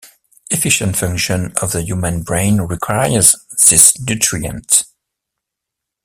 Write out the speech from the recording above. Efficient function of the human brain requires these nutrients.